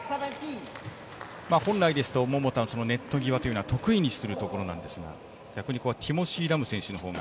本来ですと桃田、ネット際は得意にするところですが逆にここはティモシー・ラム選手のほうが。